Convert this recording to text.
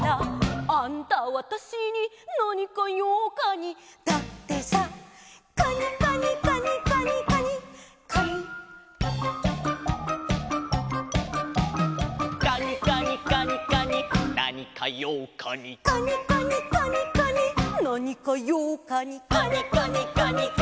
「あんたわたしになにかようカニだってさ」「カニカニカニカニカニカニ」「カニカニカニカニなにかようカニ」「カニカニカニカニなにかようカニ」「カニカニカニカニ」